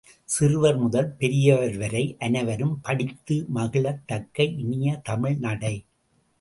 சிறுவர் முதல் பெரியவர் வரை அனைவரும் படித்து மகிழத் தக்க இனிய தமிழ் நடை.